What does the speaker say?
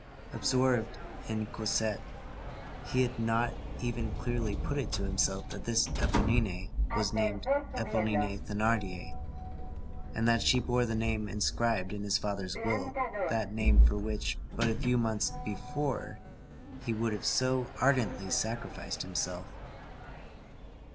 Absorbed in Cosette, he had not even clearly put it to himself that this Éponine was named Éponine Thénardier, and that she bore the name inscribed in his father's will, that name, for which, but a few months before, he would have so ardently sacrificed himself.